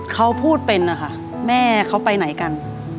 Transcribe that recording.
เขาพูดเป็นนะคะแม่เขาไปไหนกัน